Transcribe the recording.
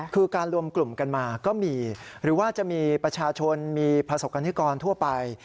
คือการรวมกลุ่มกันมาก็มีหรือว่าจะมีประชาชนมีประสบกรณิกรทั่วไป